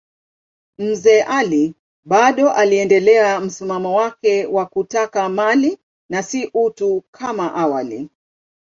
Mzee Ali bado aliendelea msimamo wake wa kutaka mali na si utu kama awali.